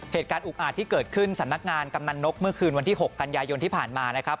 เหตุการณ์อุกอาจที่เกิดขึ้นสำนักงานกำนันนกเมื่อคืนวันที่๖กันยายนที่ผ่านมานะครับ